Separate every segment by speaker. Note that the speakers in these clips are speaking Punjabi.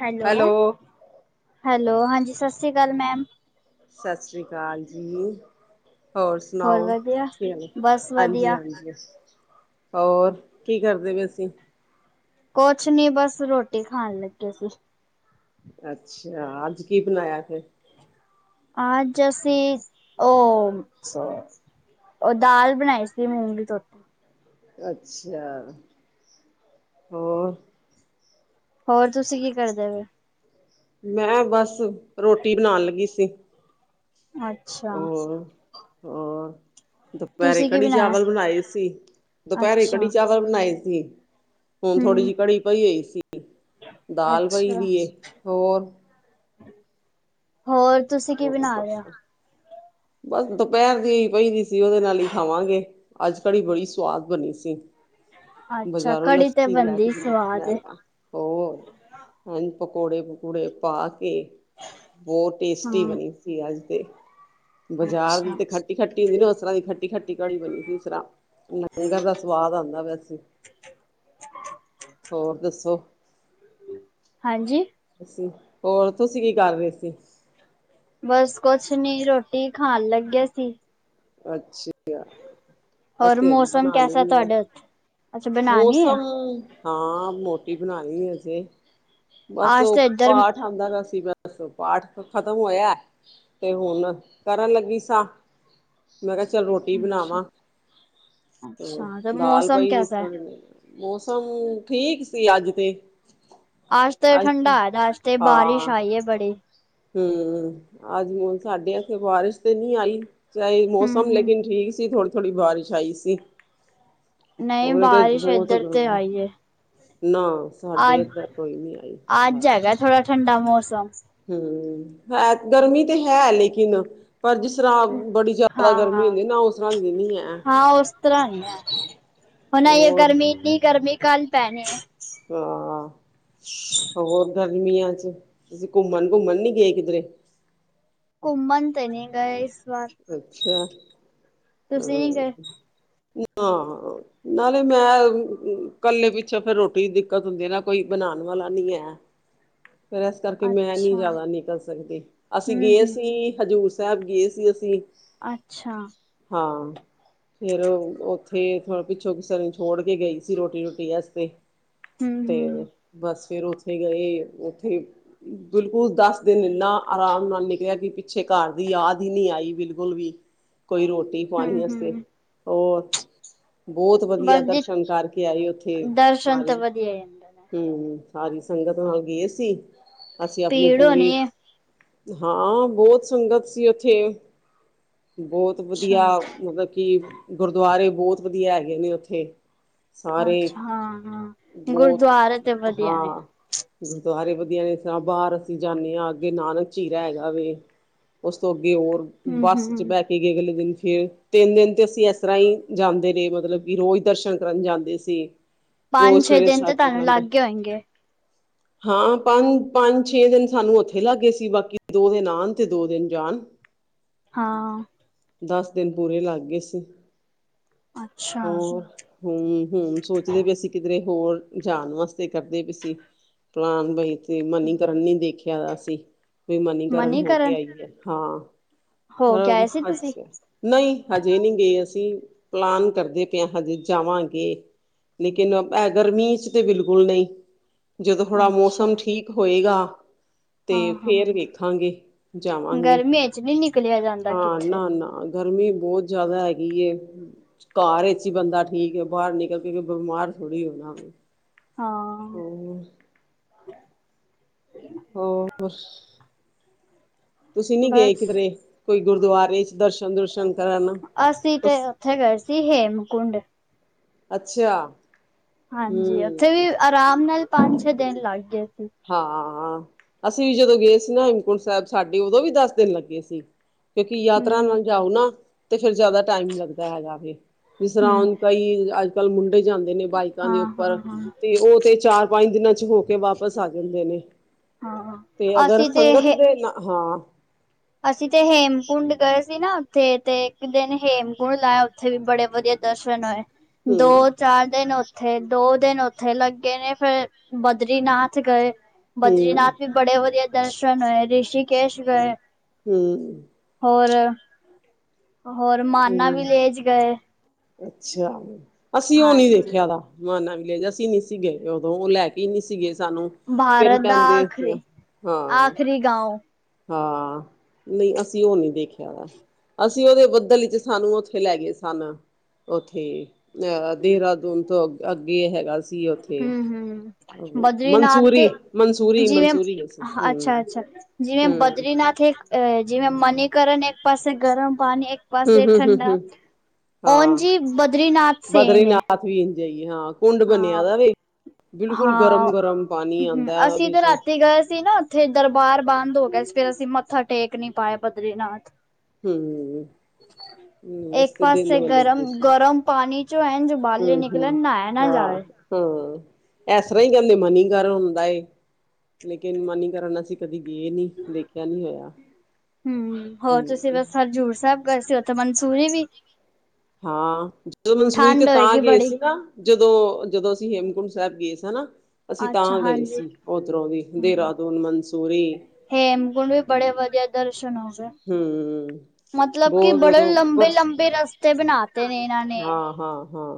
Speaker 1: ਹੈਲੋ, ਹੈਲੋ ਹਾਂਜੀ ਸਤਿ ਸ੍ਰੀ ਅਕਾਲ, ਮੈਮ।
Speaker 2: ਸਤਿ ਸ਼੍ਰੀ ਅਕਾਲ ਜੀ। ਹੋਰ ਸੁਣਾਓ, ਕੀ,
Speaker 1: ਬਸ
Speaker 2: ਹਾਂਜੀ
Speaker 1: ਵਧੀਆ,
Speaker 2: ਹਾਂਜੀ। ਹੋਰ, ਕੀ ਕਰਦੇ ਪਏ ਸੀ?
Speaker 1: ਕੁਛ ਨੀ, ਬਸ ਰੋਟੀ ਖਾਣ ਲੱਗੇ ਸੀ।
Speaker 2: ਅੱਛਾ, ਅੱਜ ਕੀ ਬਣਾਇਆ ਫੇਰ?
Speaker 1: ਆਜ ਅਸੀ, ਉਹ ਸ ਉਹ ਦਾਲ ਬਣਾਈ ਸੀ, ਮੂੰਗੀ ਧੋਤੀ।
Speaker 2: ਅੱਛਾ, ਹੋਰ
Speaker 1: ਹੋਰ, ਤੁਸੀਂ ਕੀ ਕਰਦੇ ਹੋ?
Speaker 2: ਮੈਂ ਬਸ, ਰੋਟੀ ਬਣਾਉਣ ਲੱਗੀ ਸੀ।
Speaker 1: ਅੱਛਾ।
Speaker 2: ਹੋਰ, ਹੋਰ ਦੁਪਹਿਰੇ
Speaker 1: ਤੁਸੀਂ ਕੀ
Speaker 2: ਕੜੀ
Speaker 1: ਬਣਾਇਆ?
Speaker 2: ਚਾਵਲ ਬਣਾਏ ਸੀ, ਦੁਪਹਿਰੇ ਕੜੀ
Speaker 1: ਅੱਛਾ,
Speaker 2: ਚਾਵਲ ਬਣਾਏ ਸੀ। ਹੁਣ, ਥੋੜੀ
Speaker 1: ਹੂੰ।
Speaker 2: ਜਿਹੀ ਘੜੀ ਪਈ ਹੋਈ ਸੀ, ਦਾਲ ਪਈ
Speaker 1: ਅੱਛਾ,
Speaker 2: ਦੀ, ਹੋਰ
Speaker 1: ਹੋਰ ਤੁਸੀਂ ਕੀ ਬਣਾ
Speaker 2: ਪਰਾ
Speaker 1: ਲਿਆ?
Speaker 2: ਬਸ, ਦੁਪਹਿਰ ਦੀ ਪਈ ਦੀ ਸੀ, ਉਹਦੇ ਨਾਲ ਹੀ ਖਾਵਾਂਗੇ। ਅੱਜ ਕੜੀ ਬੜੀ ਸਵਾਦ ਬਣੀ ਸੀ।
Speaker 1: ਅੱਛਾ,
Speaker 2: ਬਜ਼ਾਰੋਂ
Speaker 1: ਕੜੀ ਤੇ
Speaker 2: ਲੱਸੀ ਲੈ
Speaker 1: ਬਣਦੀ
Speaker 2: ਕੇ, ਲੈ
Speaker 1: ਸਵਾਦ ਏ,
Speaker 2: ਹੋਰ, ਪਕੌੜੇ-ਪਕੂੜੇ ਪਾ ਕੇ, ਬਹੁ ਟੇ ੁਸਟੀ
Speaker 1: ਹਾਂ,
Speaker 2: ਬਣੀ ਸੀ ਅੱਜ ਤੇ, ਬਾਜ਼ਾਰ ਦੀ
Speaker 1: ਅੱਛਾ।
Speaker 2: ਤੇ ਖੱ ੱਟੀ-ਖੱਟੀ ਹੁੰਦੀ ਨਾ, ਉਸਰਾਂ ਦੀ ਖੱਟੀ-ਖੱਟੀ ਘੜੀ ਬਣੀ ਸੀ, ਇਸ ਤਰ੍ਹਾਂ ਲੰਗਰ ਦਾ ਸਵਾਦ ਆਉਂਦਾ, ਵੈਸੇ ਹੋਰ ਦੱਸੋ?
Speaker 1: ਹਾਂਜੀ?
Speaker 2: ਅ, ਹੋਰ ਤੁਸੀਂ ਕੀ ਕਰ ਰਹੇ ਸੀ?
Speaker 1: ਬਸ ਕੁਛ ਨੀ ਰੋਟੀ ਖਾਣ ਲੱਗੇ ਸੀ।
Speaker 2: ਅੱਛ ਕਯਾ। ਅਸੀ ਤੇ ਅਜੇ ਬਣਾਨੀ ਏ
Speaker 1: ਤੁਹਾਡੇ ਉੱਥੇ ਅੱਛਾ ਹੈ
Speaker 2: ਮੌਸਮ ਹਾਂ ਮੋਟੀ ਬਣਾਣੀ ਏ ਅਜੇ ਬਸ
Speaker 1: ਆਜ
Speaker 2: ਉਹ
Speaker 1: ਤਾਂ ਇੱਧਰ
Speaker 2: ਪਾਠ ਹਾਂਦਾ ਦਾ ਸੀ ਬਸ, ਪਾਠ ਖਤਮ ਹੋਇਆ ਤੇ ਹੁਣ ਕਰਨ ਲੱਗੀ ਸਾਂ ਮੈਂ ਕਿਹਾ ਚੱਲ ਰੋਟੀ
Speaker 1: ਅੱਛਾ
Speaker 2: ਬਣਾਵਾਂ ਤੇ
Speaker 1: ਅੱਛਾ
Speaker 2: ਦਾਲ
Speaker 1: ਮੌਸਮ
Speaker 2: ਪਈ ਹੋਈ ਸੀ
Speaker 1: ਕੈਸਾ ਹੈ
Speaker 2: ਥੋੜੀ ਜੀ। ਮੌਸਮ, ਠੀਕ ਸੀ ਅੱਜ ਤੇ।
Speaker 1: ਅੱਜ ਤੇ ਠੰਡਾ ਹੋਯਾ ਦੈ ਅੱਜ ਤੇ
Speaker 2: ਹਾਂ
Speaker 1: ਬਾਰਿਸ਼ ਆਈ ਯੇ ਬੜੀ।
Speaker 2: ਹਮ ਅੱਜ ਹੁਣ ਸਾਡੇ ਏਥੇ ਬਾਰਿਸ਼ ਤੇ ਨੀ ਆਈ ਚਾਹੇ
Speaker 1: ਹਮ
Speaker 2: ਮੌਸਮ
Speaker 1: ਹਮ
Speaker 2: ਲੇਕਿਨ ਠੀਕ ਸੀ, ਥੋੜੀ- ਥੋੜੀ ਬਾਰਿਸ਼ ਆਈ ਸੀ।
Speaker 1: ਨਹੀਂ
Speaker 2: ਹੋਰ ਏਹ ਤੇ
Speaker 1: ਬਾਰਿਸ਼
Speaker 2: ਬਹੁਤ
Speaker 1: ਇੱਧਰ
Speaker 2: ਗਰਬ
Speaker 1: ਤੇ
Speaker 2: ਹੈ।
Speaker 1: ਆਈ
Speaker 2: ਨਾ ਸਾਡੇ
Speaker 1: ਅੱਜ
Speaker 2: ਏਧਰ ਕੋਈ ਨੀ ਆਈ
Speaker 1: ਅੱਜ ਹੈਗਾ
Speaker 2: ਬਾਰਿਸ਼।
Speaker 1: ਥੋੜਾ ਠੰਡਾ ਮੌਸਮ।
Speaker 2: ਹਮ ਹੈ ਦਰਮੀ ਤੇ ਹੈ ਲੇਕਿਨ ਪਰ ਜਿਸਰਾ ਬੜੀ ਜ਼ਿਆਦਾ
Speaker 1: ਹਾਂ ਹਾਂ
Speaker 2: ਗਰਮੀ ਹੁੰਦੀ ਨਾ ਉਸਰਾ ਦੀ ਨੀ ਹੈ।
Speaker 1: ਹਾਂ ਉਸ ਤਰ੍ਹਾਂ ਹੁਣ ਇਹ
Speaker 2: ਹੋਰ
Speaker 1: ਗਰਮੀ ਇੰਨੀ ਗਰਮੀ ਕੱਲ ਪੈਣੀ ਹੈ [unintelligible]
Speaker 2: ਹਾਂ ਹੋਰ ਗਰ ਗਮੀਆਂ ਚ ਤੁਸੀ ਘੁੰਮਣ- ਘੁੰਮਣ ਨੀ ਗਏ ਕਿਧਰੇ।
Speaker 1: ਘੁੰਮਨ ਤੇ ਨੀ ਗਏ ਇਸ ਵਾਰ।
Speaker 2: ਅੱਛਾ
Speaker 1: ਤੁਸੀਂ ਨਹੀਂ ਗਏ
Speaker 2: ਹਾ। ਨਾਲੇ ਮੈਂ ਕੱਲੇ ਪਿੱਛੋਂ ਫੇਰ ਰੋਟੀ ਦੀ ਦਿੱਕਤ ਹੁੰਦੀ ਏ ਨਾ, ਕੋਈ ਬਣਾਣ ਵਾਲਾ ਨੀ ਹੈ।
Speaker 1: [inaudible]
Speaker 2: ਫੇਰ ਇਸ ਕਰਕੇ ਮੈਂ ਨੀ
Speaker 1: ਅੱਛਾ
Speaker 2: ਜਾਦਾ ਨਿਕਲ ਸਕਦੀ, ਅਸੀਂ
Speaker 1: ਹਮ
Speaker 2: ਗਏ
Speaker 1: ਹਮ
Speaker 2: ਸੀ ਹਜ਼ੂਰ ਸਾਹਬ ਗਏ ਸੀ ਅਸੀ।
Speaker 1: ਅੱਛਾ।
Speaker 2: ਹਾਂ। ਫੇਰ ਉਥੇ ਪਿੱਛੋਂ ਕਿਸੇ ਨੂੰ ਛੋੜ ਕੇ ਗਈ ਸੀ, ਰੋਟੀ ਰੁਟੀ ਵਾਸਤੇ।
Speaker 1: ਹਮ। ਹਮ
Speaker 2: ਬਸ ਫੇਰ ਉਥੇ ਗਏ ਉਥੇ ਬਿਲਕੁਲ ਦਸ ਦਿਨ ਇੰਨਾ ਆਰਾਮ ਨਾਲ ਨਿਕਲਿਆ ਕਿ ਪਿੱਛੇ ਘਰ ਦੀ ਯਾਦ ਈ ਨੀ ਆਈ। ਬਿਲਕੁਲ ਵੀ ਕੋਈ ਰੋਟੀ ਪਾਣੀ
Speaker 1: ਹਮ
Speaker 2: ਵਾਸਤੇ
Speaker 1: ਹਮ
Speaker 2: ਹੋਰ ਬਹੁਤ ਵਧੀਆ
Speaker 1: ਬਸ ਜੀ
Speaker 2: ਦਰਸ਼ਨ ਕਰਕੇ ਆਈ ਓਥੇ,
Speaker 1: ਦਰਸ਼ਨ ਤਾਂ
Speaker 2: ਸਾਰੀ।
Speaker 1: ਵਧੀਆ ਜਾਂਦਾ ਨੇ
Speaker 2: ਹਮ, ਸਾਰੀ ਸੰਗਤ ਨਾਲ ਗਏ ਸੀ, ਅਸੀ ਆਪਣੀ
Speaker 1: ਭੀੜ
Speaker 2: ਪੂਰੀ
Speaker 1: ਹੋਣੀ ਹੈ
Speaker 2: ਹਾਂ, ਬੋਤ ਸੰਗਤ ਸੀ ਉਥੇ ਬਹੁਤ
Speaker 1: ਅੱਛਾ
Speaker 2: ਵਧੀਆ, ਮਤਲਬ ਕਿ ਗੁਰਦੁਆਰੇ ਬਹੁਤ ਵਧੀਯਾ ਹੈਗੇ ਨੇ ਉੱਥੇ ਸਾਰੇ
Speaker 1: ਅੱਛਾ ਹਾਂ ਹਾਂ
Speaker 2: ਬੋਤ
Speaker 1: ਗੁਰਦੁਆਰੇ ਤੇ ਵਧੀਆ ਨੇ
Speaker 2: ਹਾਂ। ਗੁਰਦੁਆਰੇ ਵਧੀਆ ਨੇ ਇਸ ਰਾ ਬਾਹਰ ਅਸੀਂ ਜਾਂਨੇ ਆਂ ਅੱਗੇ ਨਾਨਕ ਚੀਰਾ ਹੈਗਾ ਵੇ। ਉਸ ਤੋਂ ਅੱਗੇ ਹੋਰ
Speaker 1: ਹਮ
Speaker 2: ਬੱਸ ਚ
Speaker 1: ਹਮ
Speaker 2: ਬਹਿ ਕੇ ਗਏ ਅਗਲੇ ਦਿਨ ਫੇਰ। ਤਿੰਨ ਦਿਨ ਤੇ ਅਸੀਂ ਇਸ ਰਾਂ ਹੀ ਜਾਂਦੇ ਰੇ ਮਤਲਬ ਕਿ ਰੋਜ਼ ਦਰਸ਼ਨ ਕਰਨ ਜਾਂਦੇ ਸੀ। ਰੋਜ਼
Speaker 1: ਪੰਜ ਛੇ
Speaker 2: ਸਵੇਰੇ
Speaker 1: ਦਿਨ ਤੇ
Speaker 2: ਸੱਚੇ
Speaker 1: ਤਾਨੂੰ
Speaker 2: ਖੰਡ
Speaker 1: ਲੱਗ ਗੇ ਹੋਨਗੇ?
Speaker 2: ਹਾਂ ਪੰਜ ਪੰਜ ਛੇ ਦਿਨ ਸਾਨੂੰ ਉਥੇ ਲੱਗ ਗਏ ਸੀ, ਬਾਕੀ ਦੋ ਦਿਨ ਆਣ ਤੇ ਦੋ ਦਿਨ ਜਾਣ।
Speaker 1: ਹਾਂ।
Speaker 2: ਦਸ ਦਿਨ ਪੂਰੇ ਲਗ ਗੇ ਸੀ
Speaker 1: ਅੱਛਾ
Speaker 2: ਹੋ ਹੂੰ-ਹੂੰ ਸੋਚਦੇ ਪੇ ਸੀ ਕਿਧਰੇ ਹੋਰ ਜਾਣ ਵਾਸਤੇ ਕਰਦੇ ਪੇ ਸੀ। ਪਲਾਨ ਬਈ। ਤੇ ਮਨੀਕਰਨ ਨੀ ਦੇਖਿਆ ਅਸੀ, ਫਿਰ ਮਨੀਕਰਨ ਹੋ ਕੇ ਆਈ ਆ, ਹਾਂ।
Speaker 1: ਹੋ ਕੇ ਆਏ ਸੀ
Speaker 2: [unintelligible]
Speaker 1: ਤੁਸੀਂ
Speaker 2: ਨਈ ਹਜੇ ਨੀ ਗਏ ਅਸੀਂ ਪਲਾਨ ਕਰਦੇ ਪਏ ਹਜੇ ਜਾਵਾਂਗੇ। ਲੇਕਿਨ ਐ ਗਰਮੀਆ ਚ ਤਾਂ ਬਿਲਕੁੱਲ ਨਈ। ਜਦੋਂ ਥੋੜ੍ਹਾ
Speaker 1: ਅੱਛਾ
Speaker 2: ਮੌਸਮ ਠੀਕ ਹੋਏਗਾ। ਤੇ
Speaker 1: ਹਾਂ ਹਾਂ
Speaker 2: ਫੇਰ ਵੇਖਾਂਗੇ ਜਾਵਾਂਗੇ,
Speaker 1: ਗਰਮੀ ਚ ਨਹੀਂ ਨਿਕਲਿਆ ਜਾਂਦਾ
Speaker 2: ਹਾਂ
Speaker 1: ਕਿੱਥੇ
Speaker 2: ਨਾ-ਨਾ ਹਾਂ ਗਰਮੀ ਬੋ ਜਾਦਾ ਹੈਗੀ ਏ। ਕਾਰ ਵਿਚ ਈ ਬੰਦਾ ਠੀਕ ਏ ਬਾਰ ਨਿਕਲ ਕੇ ਬਿਮਾਰ ਥੋੜ੍ਹੀ ਹੋਣਾ।
Speaker 1: ਹਾਂ।
Speaker 2: ਹੋਰ
Speaker 1: [inaudible]
Speaker 2: ਹੋਰ? ਤੁਸੀਂ ਨੀ ਗਏ
Speaker 1: ਬਸ
Speaker 2: ਕਿਧਰੇ ਕੋਈ ਗੁਰਦੁਆਰੇ ਚ ਦਰਸ਼ਨ ਦੁਰਸ਼ਨ ਕਰਨ?
Speaker 1: ਅਸੀਂ ਤੇ ਉੱਥੇ ਗਏ ਸੀ ਹੇਮਕੁੰਡ।
Speaker 2: ਅੱਛਾ।
Speaker 1: ਹਾਂਜੀ
Speaker 2: ਹੂੰ
Speaker 1: ਉੱਥੇ ਵੀ ਆਰਾਮ ਨਾਲ ਪੰਜ ਛੇ ਦਿਨ ਲਗ ਗਏ ਸੀ।
Speaker 2: ਹਾਂ ਅਸੀਂ ਵੀ ਜਦੋਂ ਗਏ ਸੀ ਨਾ ਹੇਮਕੁੰਟ ਸੈਬ ਸਾਡੇ ਉਦੋਂ ਵੀ ਦਸ ਦਿਨ ਲੱਗੇ ਸੀ। ਕਿਉਂਕਿ ਯਾਤਰਾ
Speaker 1: ਹਮ
Speaker 2: ਨਾਲ ਜਾਓ ਨਾ ਤੇ ਫਿਰ ਜਾਦਾ ਟਾਈਮ ਲੱਗਦਾ ਹੈਗਾ ਵੇ ਜਿਸ ਤਰ੍ਹਾਂ
Speaker 1: ਹਮ
Speaker 2: ਹੁਣ ਕਈ ਅੱਜ ਕੱਲ੍ਹ ਮੁੰਡੇ ਜਾਂਦੇ ਨੇ ਬਾਈਕਾਂ ਦੇ
Speaker 1: ਹਾਂ, ਹਾਂ,
Speaker 2: ਉੱਪਰ
Speaker 1: ਹਾਂ,
Speaker 2: ਤੇ ਓ ਤੇ ਚਾਰ ਪੰਜ ਦਿਨਾਂ ਚ ਹੋ ਕੇ ਵਾਪ ਫਸਾ ਦਿੰਦੇ ਨੇ ਤੇ
Speaker 1: ਹਾਂ
Speaker 2: ਅਗਰ
Speaker 1: ਅਸੀਂ ਤੇ
Speaker 2: ਸੰਗਤ
Speaker 1: ਇਹ
Speaker 2: ਦੇ ਨ ਹਾਂ।
Speaker 1: ਅਸੀਂ ਤੇ ਹੇਮਕੁੰਡ ਗਏ ਸੀ ਨਾ ਉੱਥੇ ਤੇ ਇੱਕ ਦਿਨ ਹੇਮਕੁੰਡ ਲਾਇਆ ਉੱਥੇ ਵੀ ਬੜੇ ਵਧੀਆ ਦਰਸ਼ਨ ਹੋਏ ਦੋ
Speaker 2: ਹੂੰ
Speaker 1: ਚਾਰ ਦਿਨ ਓ ਥੇ ਦੋ ਦਿਨ ਉੱਥੇ ਲੱਗੇ ਨੇ ਫੇਰ ਬਦਰੀਨਾਥ ਗਏ।
Speaker 2: ਹੂੰ
Speaker 1: ਬਦਰੀਨਾਥ ਵੀ ਬੜੇ ਵਧੀਆ ਦਰਸ਼ਨ ਹੋਏ। ਰਿਸ਼ਕੇਸ਼ ਗਏ।
Speaker 2: ਹੂੰ।
Speaker 1: ਹੋਰ-ਹੋਰ ਮਾਨਾ
Speaker 2: ਹੂੰ
Speaker 1: ਵੀਲੇਜ ਗਏ।
Speaker 2: ਅੱਛਾ, ਅਸੀਂ ਓ ਨੀ
Speaker 1: ਹਾਂਜੀ।
Speaker 2: ਦੇਖਿਆ ਦਾ। ਮਾਨਾ ਵੀਲੇਜ ਅਸੀਂ ਨੀ ਸੀਗੇ ਉਦੋਂ ਓ ਲੈ ਕੇ ਈ ਨੀ ਸੀਗੇ ਸਾਨੂੰ। ਫਿਰ
Speaker 1: ਭਾਰਤ ਦਾ
Speaker 2: ਕੈਂਦੇ ਅਸੀ ਐਂ।
Speaker 1: ਆਖਰੀ ਆਖਰੀ ਗਾਉ
Speaker 2: ਹਾਂ, ਨਈ ਅਸੀਂ ਓ ਨੀ ਦੇਖਿਆ ਵਾ, ਅਸੀਂ ਓਦੇ ਬੱਦਲ ਚ ਸਾਨੂੰ ਓਥੇ ਲੈਗੇ ਸਨ। ਓਥੇ ਅ ਦੇਹਰਾਦੂਨ ਤੋਂ ਅ ਅੱਗੇ ਹੈਗਾ ਸੀ ਓਥ ਥੇ
Speaker 1: ਹੂੰ, ਹੂੰ ਬਦਰੀਨਾਥ
Speaker 2: ਮਨਸੂਰੀ
Speaker 1: ਤੇ
Speaker 2: ਮਨਸੂਰੀ
Speaker 1: ਜਿਵੇਂ
Speaker 2: ਮਨਸੂਰੀ ਗਏ ਸੀ, ਹੂੰ
Speaker 1: ਅੱਛਾ-ਅੱਛਾ ਜਿਵੇਂ ਬਦਰੀਨਾਥ ਏ, ਜਿਵੇਂ ਮਨੀਕਰਨ ਇੱਕ ਪਾਸੇ ਗਰਮ ਪਾਣੀ ਇੱ ਕ ਪਾਸੇ
Speaker 2: ਹਮ ਹਮ ਹਮ
Speaker 1: ਠੰਡਾ,
Speaker 2: ਹਮ
Speaker 1: ਓਂਜ ਈ ਬਦਰੀਨਾਥ ਸੇਮ ਏ।
Speaker 2: ਵੀਨ ਜਾਈਏ ਹਾਂ। ਕੁੰਡ ਬਣਿਆ
Speaker 1: ਹਾਂ,
Speaker 2: ਦਾ ਵੇ, ਬਿਲਕੁੱਲ
Speaker 1: ਹਾਂ।
Speaker 2: ਗਰਮ-ਗਰਮ ਪਾਣੀ
Speaker 1: ਹੂੰ
Speaker 2: ਆਂਦੈ ਓਦੇ
Speaker 1: ਤੇ
Speaker 2: ਚੋਂ।
Speaker 1: ਅਸੀਂ ਰਾਤੀ ਗਏ ਸੀ ਨਾ ਓਥੇ ਦਰਬਾਰ ਬੰਦ ਹੋ ਗਿਆ ਸੀ, ਫਿਰ ਅਸੀਂ ਮੱਥਾ ਟੇਕ ਨੀ ਪਾਏ ਬਦਰੀਨਾਥ।
Speaker 2: ਹੂੰ। ਅਸੀ
Speaker 1: ਏਕ
Speaker 2: ਤੇ ਦਿਨ
Speaker 1: ਪਾਸੇ
Speaker 2: ਵੇਲੇ ਗਏ ਸੀ।
Speaker 1: ਗਰਮ-ਗਰਮ ਪਾਣੀ ਚੋ ਐਜ ਬਾਲੇ ਨਿਕਲਣ ਨਾਇਆ ਨਾ ਜਾਵੇ।
Speaker 2: ਹੂ, ਐਸਰ੍ਹਾਂ ਈ ਕੈਂਦੇ ਮਨੀਕਰਨ ਹੁੰਦਾ ਏ, ਲੇਕਿਨ ਮਨੀਕਰਨ ਅਸੀਂ ਕਦੀ ਗਏ ਨੀ ਦੇਖਿਆ ਨੀ ਹੋਇਆ,
Speaker 1: ਹੂੰ ਹੋਰ
Speaker 2: ਹੂੰ।
Speaker 1: ਤੁਸੀਂ ਬਸ ਹਜ਼ੂਰ ਸੈਬ ਗਏ ਸੀ ਉੱਥੇ ਮਨਸੂਰੀ ਵੀ।
Speaker 2: ਹਾਂ ਜਦੋਂ ਮਨਸੂਰੀ ਤੇ
Speaker 1: ਠੰਡ
Speaker 2: ਤਾਂ
Speaker 1: ਹੋਏਗੀ
Speaker 2: ਗਏ
Speaker 1: ਬੜੀ।
Speaker 2: ਸੀ ਨਾ ਜਦੋਂ ਜਦੋਂ ਅਸੀਂ ਹੇਮਕੁੰਟ ਸਾਹਿਬ ਗਏ ਸਾ ਨਾ ਅਸੀਂ
Speaker 1: ਅੱਛਾ
Speaker 2: ਤਾਂ ਗਏ
Speaker 1: ਹਾਂਜੀ
Speaker 2: ਸੀ ਉਧਰੋਂ ਵੀ
Speaker 1: ਹੂੰ।
Speaker 2: ਦੇਹਰਾਦੂਨ, ਮਨਸੂਰੀ
Speaker 1: ਹੇਮਕੁੰਡ ਵੀ ਬੜੇ ਵਧੀਆ ਦਰਸ਼ਨ ਹੋ ਗਏ।
Speaker 2: ਹੂੰ।
Speaker 1: ਮਤਲਬ ਕਿ
Speaker 2: ਬਹੁਤ
Speaker 1: ਬੜੇ
Speaker 2: ਉਦੋਂ
Speaker 1: ਲੰਬੇ ਲੰਬੇ ਰਸਤੇ ਬਣਾ ਤੇ ਨਹੀਂ ਤਾਂ
Speaker 2: ਹਾਂ-ਹਾਂ-ਹਾਂ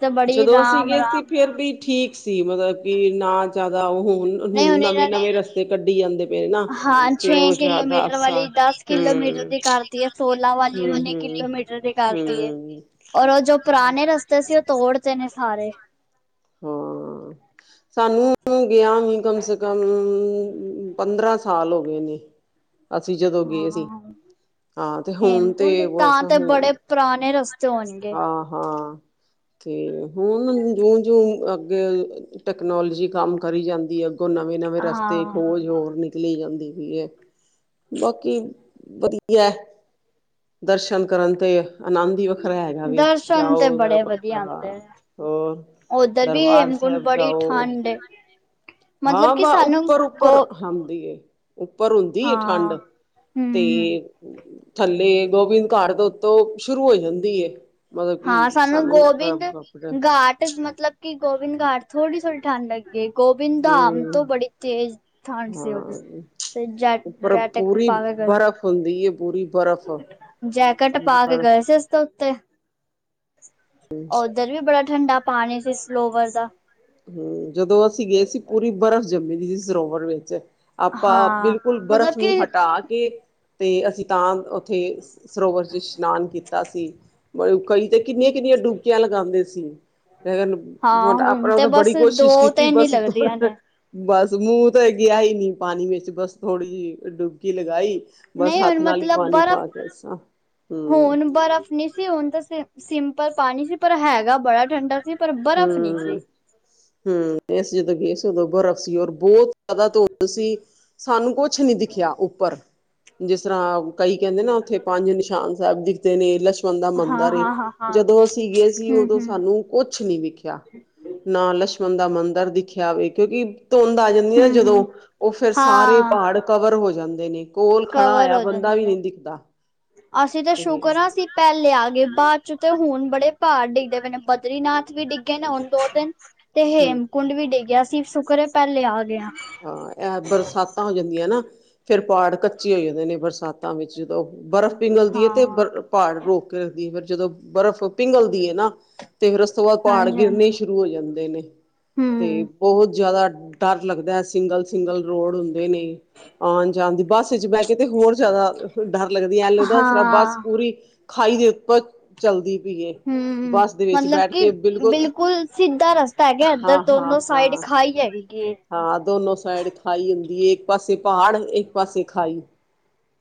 Speaker 1: ਤਾਂ ਬੜੀ
Speaker 2: ਜਦੋਂ ਅਸੀਂ ਗਏ ਸੀ
Speaker 1: ਰਾਮ-ਰਾਮ
Speaker 2: ਫੇਰ ਵੀ ਠੀਕ ਸੀ ਮਤਲਬ ਕਿ ਨਾ ਜ਼ਿਆਦਾ ਉਹ
Speaker 1: ਨਹੀਂ ਹੁਣ ਇਹਨਾਂ ਨੇ
Speaker 2: ਨਵੇਂ-ਨਵੇਂ ਰਸਤੇ ਕੱਢੀ ਜਾਂਦੇ ਪਏ ਨੇ ਨਾ
Speaker 1: ਹਾਂ
Speaker 2: ਤੇ
Speaker 1: ਛੇ
Speaker 2: ਉਹ
Speaker 1: ਕਿਲੋਮੀਟਰ
Speaker 2: ਜ਼ਿਆਦਾਸ
Speaker 1: ਵਾਲੀ ਦਸ ਕਿਲੋਮੀਟਰ ਦੀ ਕਰਤੀ ਹੈ ਸੋਲਾਂ ਵਾਲੀ ਉੱਨੀ ਕਿਲੋਮੀਟਰ ਦੀ ਕਰਤੀ ਏ।
Speaker 2: ਹੂੰ-ਹੂੰ-ਹੂੰ-ਹੂੰ
Speaker 1: ਔਰ ਉਹ ਜੋ ਪੁਰਾਣੇ ਰਸਤੇ ਸੀ ਉਹ ਤੋੜਤੇ ਨੇ ਸਾਰੇ।
Speaker 2: ਹਾਂ ਸਾਨੂੰ ਗਿਆ ਵੀ ਕਮ ਸੇ ਕਮ ਪੰਦਰਾਂ ਸਾਲ ਹੋ ਗਏ ਨੇ। ਅਸੀਂ ਜਦੋਂ ਗਏ ਸੀ
Speaker 1: ਹਾਂ।
Speaker 2: ਹਾਂ ਤੇ ਹੁਣ
Speaker 1: ਹੇਮਕੁੰਡ
Speaker 2: ਤੇ ਬਸ
Speaker 1: ਤਾਂ ਤੇ
Speaker 2: ਹੂਣ
Speaker 1: ਬੜੇ ਪੁਰਾਣੇ ਰਸਤੇ ਹੋਣਗੇ
Speaker 2: ਹਾਂ ਹਾਂ ਅਤੇ ਹੁਣ ਜਿਉਂ ਜਿਉਂ ਅੱਗੇ ਟੈਕਨੋਲੋਜੀ ਕੰਮ ਕਰੀ ਜਾਂਦੀ ਅੱਗੋਂ ਨਵੇਂ ਨਵੇਂ ਰਸਤੇ
Speaker 1: ਹਾਂ।
Speaker 2: ਖੋਜ ਹੋਰ ਨਿਕਲੀ ਜਾਂਦੀ ਪਈ ਐ। ਬਾਕੀ ਵਧੀਆ ਦਰਸ਼ਨ ਕਰਨ ਤੇ ਆ ਆਨੰਦ ਈ ਵੱਖਰਾ ਹੈਗਾ ਵੇ
Speaker 1: ਦਰਸ਼ਨ
Speaker 2: ਜਾਓ
Speaker 1: ਤੇ
Speaker 2: ਉਧਰ
Speaker 1: ਬੜੇ ਵਧੀਆ
Speaker 2: ਵੱਖਰਾ
Speaker 1: ਆਂਦੇ ਨੇ।
Speaker 2: ਹੋਰ
Speaker 1: ਉੱਧਰ ਵੀ
Speaker 2: ਦਰਬਾਰ
Speaker 1: ਹੇਮਕੁੰਡ
Speaker 2: ਸਾਹਿਬ
Speaker 1: ਬੜੀ
Speaker 2: ਜਾਓ
Speaker 1: ਠੰਡ ਏ। ਮਤਲਬ
Speaker 2: ਹਾਂ
Speaker 1: ਕਿ
Speaker 2: ਬਾ
Speaker 1: ਸਾਨੂੰ
Speaker 2: ਉੱਪਰ-ਉੱਪਰ
Speaker 1: ਗੋ
Speaker 2: ਹਦੀ ਏ ਉੱਪਰ ਹੁੰਦੀ ਏ ਠੰਡ
Speaker 1: ਹਾਂ
Speaker 2: ਤੇ
Speaker 1: ਹੂੰ-ਹੂੰ
Speaker 2: ਥੱਲੇ ਗੋਬਿੰਦ ਘਾਟ ਤੋਂ ਉੱਤੋਂ ਸ਼ੁਰੂ ਹੋ ਜਾਂਦੀ ਏ ਮਤਲਬ ਕਿ
Speaker 1: ਹਾਂ ਸਾਨੂੰ
Speaker 2: ਗਰਮ
Speaker 1: ਗੋਬਿੰਦ
Speaker 2: ਕੱਪੜੇ
Speaker 1: ਘਾਟ ਮਤਲਬ ਕਿ ਗੋਬਿੰਦ ਘਾਟ ਥੋੜ੍ਹੀ ਥੋੜ੍ਹੀ ਠੰਡ ਹੈ ਗੀ ਤੇ ਗੋਵਿੰਦਾਮ
Speaker 2: ਹੂੰ
Speaker 1: ਤੋਂ ਬੜੀ ਤੇਜ਼ ਥੰਡ ਸੀ
Speaker 2: ਹਾਂ
Speaker 1: ਤੇ ਜੈ ਜੈ ਟਕ ਪਾਕੇ ਗਏ ਸੀ
Speaker 2: ਹਦੀ ਏ ਪੂਰੀ ਬਰਫ਼
Speaker 1: ਜੈਕੇਟ ਪਾ ਕੇ
Speaker 2: ਬਰਫ਼
Speaker 1: ਗਏ ਸੀ ਅਸੀ ਤੈ ਉੱਤੇ ਓਧਰ ਵੀ ਬੜਾ ਠੰਡਾ ਪਾਣੀ ਸੀ ਸਲੋਵਰ ਦਾ।
Speaker 2: ਹੂੰ ਜਦੋਂ ਅਸੀਂ ਗਏ ਸੀ ਪੂਰੀ ਬਰਫ਼ ਜੰਮੀ ਦੀ ਸੀ ਸਰੋਵਰ ਵਿੱਚ। ਆਪਾਂ
Speaker 1: ਹਾਂ
Speaker 2: ਬਿਲਕੁਲ
Speaker 1: ਮਤਲਬ
Speaker 2: ਬਰਫ਼ ਨੂੰ
Speaker 1: ਕਿ
Speaker 2: ਹਟਾ ਕੇ ਤੇ ਅਸੀਂ ਤਾਂ ਉੱਥੇ ਸਰੋਵਰ ਚ ਇਸ਼ਨਾਨ ਕੀਤਾ ਸੀ ਕਈ ਤੇ ਕਿੰਨੀਆਂ ਕਿੰਨੀਆਂ ਡੁਕੀਆਂ ਲਗਾਉਂਦੇ ਸੀ
Speaker 1: ਹਾਂ ਹੁਣ ਤੇ
Speaker 2: ਬੜੀ
Speaker 1: ਬਸ ਦੋ
Speaker 2: ਕੋਸ਼ਿਸ਼ ਕੀਤੀ
Speaker 1: ਤਿੰਨ ਹੀ
Speaker 2: ਬਸ
Speaker 1: ਲੱਗਦੀਆਂ ਨੇ
Speaker 2: ਬਸ ਮੂੰਹ ਤੇ ਗਿਆ ਈ ਨੀ ਪਾਣੀ ਵਿੱਚ ਬਸ ਥੋੜ੍ਹੀ ਜਹੀ ਡੁਬਕੀ ਲਗਾਈ ਬਸ
Speaker 1: ਨਹੀਂ ਹੁਣ
Speaker 2: ਹੱਥ ਨਾਲ ਹੀ
Speaker 1: ਮਤਲਬ
Speaker 2: ਪਾਣੀ
Speaker 1: ਬਰਫ਼
Speaker 2: ਪਾ ਕੇ ਹੂੰ
Speaker 1: ਹੋਣ ਬਰਫ਼ ਨਹੀਂ ਸੀ ਹੋਣ ਤਾਂ ਸਿੰਪਲ ਪਾਣੀ ਸੀ ਪਰ ਹੈਗਾ ਬੜਾ ਠੰਡਾ ਸੀ। ਪਰ
Speaker 2: ਹੂੰ
Speaker 1: ਬਰਫ਼ ਨਹੀਂ ਸੀ।
Speaker 2: ਹੂੰ ਅਸੀ ਜਦੋਂ ਗਏ ਸੀ ਉਦੋਂ ਬਰਫ਼ ਸੀ ਔਰ ਬਹੁਤ ਜ਼ਿਆਦਾ ਧੁੰਦ ਸੀ। ਸਾਨੂੰ ਕੁਛ ਨੀ ਦਿਖਿਆ ਉੱਪਰ ਜਿਸ ਤਰ੍ਹਾਂ ਕਈ ਕਹਿੰਦੇ ਨਾ ਉੱਥੇ ਪੰਜ ਨਿਸ਼ਾਨ ਸਾਹਿਬ ਦਿ ਖਦੇ ਨੇ ਲਛਮਣ ਦਾ
Speaker 1: ਹਾਂ
Speaker 2: ਮੰਦਿਰ ਏ
Speaker 1: ਹਾਂ ਹਾਂ ਹਾਂ।
Speaker 2: ਜਦੋਂ ਅਸੀਂ ਗਏ ਸੀ
Speaker 1: ਹੂੰ
Speaker 2: ਉਦੋਂ
Speaker 1: ਹੂੰ
Speaker 2: ਸਾਨੂੰ ਕੁਛ ਨਹੀਂ ਵਿਖਆ ਨਾ ਲਛਮਣ ਦਾ ਮੰਦਿਰ ਦਿਖਿਆ ਹੋਵੇ ਕਿਉਂਕਿ ਧੁੰਦ ਆ ਜਾਂਦੀ ਨਾ
Speaker 1: ਹੂੰ
Speaker 2: ਜਦੋਂ
Speaker 1: ਹੂੰ
Speaker 2: ਉਹ ਫੇਿਮਰ ਸਾਰੇ
Speaker 1: ਹਾਂ
Speaker 2: ਪਹਾੜ ਕਵਰ ਹੋ ਜਾਂਦੇ ਨੇ। ਕੋਲ ਖੜਾ
Speaker 1: ਕਵਰ
Speaker 2: ਹੌਇਆ
Speaker 1: ਹੋ
Speaker 2: ਬੰਦਾ
Speaker 1: ਜਾਂਦੇ
Speaker 2: ਵੀ ਨੀ
Speaker 1: ਨੇ।
Speaker 2: ਦਿਖਦਾ
Speaker 1: ਅਸੀਂ ਤਾਂ
Speaker 2: ਤੇ
Speaker 1: ਸ਼ੁਕਰ ਹਾਂ ਅਸੀਂ ਪਹਿਲੇ ਆ ਗਏ ਬਾਅਦ ਚ ਤੇ ਹੁਣ ਬੜੇ ਪਹਾੜ ਡਿੱਗਦੇ ਪਏ ਨੇ ਬਦਰੀ ਨਾਥ ਵੀ ਡਿੱਗੇ ਨੇ ਹੁਣ ਦੋ ਦਿਨ, ਤੇ
Speaker 2: ਹੂੰ।
Speaker 1: ਹੇਮਕੁੰਡ ਵੀ ਡਿੱਗਿਆ ਸੀ ਸ਼ੁਕਰ ਐ, ਪਹਿਲੇ ਆਗੇ ਆਂ।
Speaker 2: ਹਾਂ, ਇਹ ਬਰਸਾਤਾਂ ਹੋ ਜਾਂਦੀਆਂ ਨਾ, ਫੇਰ ਪਾਹਾੜ ਕੱਚੇ ਹੋ ਜਾਂਦੇ ਨੇ ਬਰਸਾ ਸਾਤਾਂ ਵਿੱਚ, ਜਦੋਂ ਬਰਫ਼ ਪਿੰਗਲਦੀ ਏ, ਤੇ
Speaker 1: ਹਾਂ।
Speaker 2: ਬਰ ਪਹਾੜ ਰੋਕ ਕੇ ਰੱਖਦੀ ਏ, ਫਿਰ ਜਦੋਂ ਬਰਫ਼ ਪਿੰਘਲਦੀ ਏ ਨਾ, ਤੇ ਫਿਰ ਉਸ ਤੋਂ ਬਾਅਦ ਪਹਾੜ
Speaker 1: ਹਾਂਜੀ
Speaker 2: ਗਿਰਨੇ
Speaker 1: ਹਾਂਜੀ
Speaker 2: ਸ਼ੁਰੂ ਹੋ ਜਾਂਦੇ ਨੇ। ਤੇ
Speaker 1: ਹੂੰ
Speaker 2: ਬਹੁਤ ਜ਼ਿਆਦਾ ਡਰ ਲੱਗਦੈ, ਸਿੰਗਲ-ਸਿੰਗਲ ਰੋਡ ਹੁੰਦੇ ਨੇ। ਆਣ-ਜਾਣ ਦੀ, ਬੱਸ ਵਿੱਚ ਬਹਿਕੇ ਤੇ ਹੋਰ ਜ਼ਿਆਦਾ ਡਰ ਲੱਗਦੀ ਏ, ਐਂ ਲੱਗਦਾ ਇਸਰਾ ਬੱਸ
Speaker 1: ਹਾਂ।
Speaker 2: ਪੂਰੀ ਖਾਈ ਦੇ ਉੱਪਰ ਚਲਦੀ ਪਈਏ
Speaker 1: ਹੂੰ,
Speaker 2: ਬੱਸ ਦੇ ਵਿੱਚ
Speaker 1: ਮਤਲਬ
Speaker 2: ਬੈਠ
Speaker 1: ਕਿ
Speaker 2: ਕੇ
Speaker 1: ਬਿਲਕੁਲ ਸਿੱਧਾ ਰਸਤਾ ਹੈਗਾ, ਇੱਧਰ।
Speaker 2: ਹਾਂ ਹਾਂ
Speaker 1: ਦੋਨੋ
Speaker 2: ਹਾਂ
Speaker 1: ਸਾਈਡ ਖਾਈ ਹੈਗੀ ਏ।
Speaker 2: ਹਾਂ, ਦੋਨੋ ਸਾਈਡ ਖਾਈ ਹੁੰਦੀ ਏ, ਇੱਕ ਪਾਸੇ ਪਹਾੜ ਇੱਕ ਪਾਸੇ ਖਾਈ।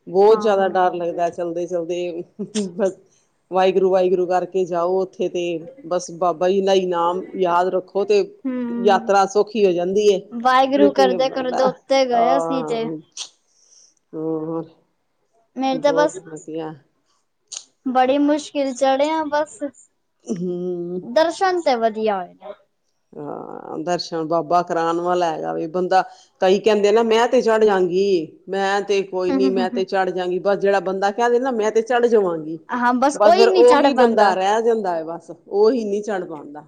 Speaker 2: ਬਹੁਤ ਜ਼ਿਆਦਾ
Speaker 1: ਹਾਂ।
Speaker 2: ਡਰ ਲੱਗਦੈ। ਚਲਦੇ-ਚਲਦੇ, ਬਸ ਵਾਹਿਗੁਰੂ-ਵਾਹਿਗੁਰੂ ਕਰਕੇ ਜਾਓ। ਉੱਥੇ ਤੇ, ਬਸ ਬਾਬਾ ਜੀ ਦਾ ਇਨਾਮ ਯਾਦ ਰੱਖੋ, ਤੇ
Speaker 1: ਹੂੰ,
Speaker 2: ਯਾਤਰਾ, ਸੌਖੀ ਹੋ ਜਾਂਦੀ ਏ। ਨਹੀਂ
Speaker 1: ਵਾਹਿਗੁਰੂ
Speaker 2: ਤੇ
Speaker 1: ਕਰਦੇ-ਕਰਦੇ,
Speaker 2: ਬੰਦਾ
Speaker 1: ਉੱਤੇ ਗਏ ਅਸੀ
Speaker 2: ਹਾਂ
Speaker 1: ਤੇ।
Speaker 2: ਹੋਰ,
Speaker 1: ਮੇਰੇ ਤਾਂ
Speaker 2: ਬਹੁਤ
Speaker 1: ਬਸ
Speaker 2: ਵਧੀਆ।
Speaker 1: ਬੜੀ ਮੁਸ਼ਕਿਲ ਚੜੇ ਆਂ ਬਸ,
Speaker 2: ਹੂੰ
Speaker 1: ਦਰਸ਼ਨ ਤੇ ਵਧੀਆ ਹੋਏ ਨੇ।
Speaker 2: ਹਾਂ, ਦਰਸ਼ਨ ਬਾਬਾ ਕਰਾਨ ਵਾਲਾ ਹੈਗਾ, ਵੀ ਬੰਦਾ ਕਈ ਕਹਿੰਦੇ ਨਾ, ਮੈਂ ਤੇ ਚੜ੍ਹ ਜਾਂਗੀ, ਮੈਂ ਤੇ ਕੋਈ ਨੀ ਮੈਂ
Speaker 1: ਨੇ।
Speaker 2: ਤੇ ਚੜ੍ਹ ਜਾਂਗੀ, ਬਸ ਜਿਹੜਾ ਬੰਦਾ ਕਹਿੰਦੇ ਨਾ, ਮੈਂ ਤੇ ਚੜ ਜਵਾਂਗੀ
Speaker 1: ਹਾਂ,
Speaker 2: ਬਸ ਫਿਰ
Speaker 1: ਨੀ ਚੜ
Speaker 2: ਉਹੀ ਬੰਦਾ
Speaker 1: ਪਾਂਦਾ।
Speaker 2: ਰਹਿ ਜਾਂਦਾ ਹੈ ਬਸ। ਓਹੀ ਨੀ ਚੜ ਪਾਂਦਾ।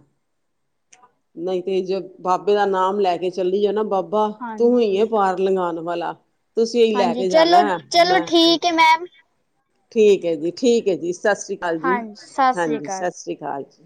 Speaker 2: ਨਹੀਂ ਤੇ ਜ ਬਾਬੇ ਦਾ ਨਾਮ ਲੈਕੇ ਚੱਲੀਏ ਨਾ ਬਾਬਾ, ਤੂੰ ਹੀ ਏ
Speaker 1: ਹਾਂਜੀ।
Speaker 2: ਪਾਰ ਲੰਘਾਣ ਵਾਲਾ, ਤੁਸੀਂ ਓਈ
Speaker 1: ਹਾਂਜੀ,
Speaker 2: ਲੈਕੇ ਜਾਣਾ ਹੈ,
Speaker 1: ਚਲੋ-ਚਲੋ
Speaker 2: ਮੈਂ
Speaker 1: ਠੀਕ ਏ ਮੈਮ,
Speaker 2: ਠੀਕ ਏ ਜੀ, ਠੀਕ ਏ ਜੀ, ਸਤਿ ਸ਼੍ਰੀ ਅਕਾਲ ਜੀ,
Speaker 1: ਹਾਂਜੀ ਸਤਿ ਸ੍ਰੀ
Speaker 2: ਹਾਂਜੀ,
Speaker 1: ਅਕਾਲ।
Speaker 2: ਸਤਿ ਸ਼੍ਰੀ ਅਕਾਲ ਜੀ।